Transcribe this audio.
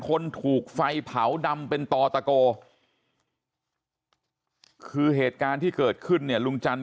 คนถูกไฟเผาดำเป็นตอตะโกคือเหตุการณ์ที่เกิดขึ้นเนี่ยลุงจันท